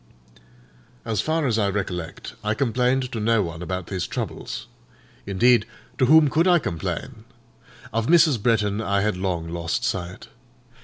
As far as I recollect, I complained to no one about these troubles. Indeed, to whom could I complain? Of Mrs. Bretton I had long lost sight.